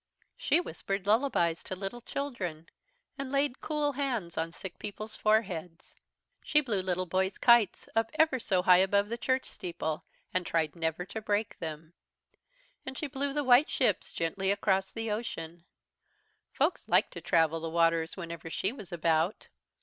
She whispered lullabies to little children, and laid cool hands on sick people's foreheads. She blew little boy's kites up ever so high above the church steeple, and tried never to break them. And she blew the white ships gently across the ocean. Folks liked to travel the waters whenever she was about.